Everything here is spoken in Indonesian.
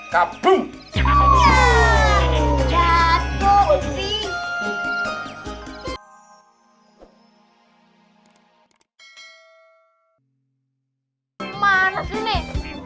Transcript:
hai oh bubian nih